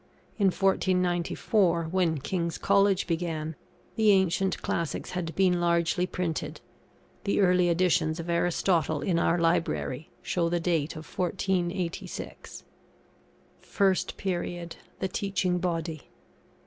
In 1494, when King's College began, the ancient classics had been largely printed; the early editions of Aristotle in our Library, show the date of 1486. FIRST PERIOD THE TEACHING BODY.